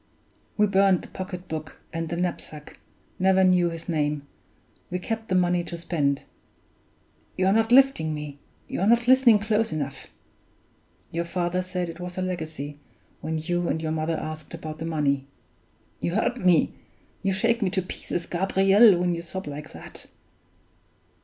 We burned the pocket book and the knapsack never knew his name we kept the money to spend. (You're not lifting me; you're not listening close enough!) Your father said it was a legacy, when you and your mother asked about the money. (You hurt me, you shake me to pieces, Gabriel, when you sob like that.)